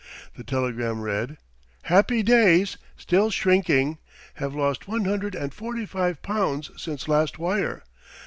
The telegram read: Happy days! Still shrinking. Have lost one hundred and forty five pounds since last wire.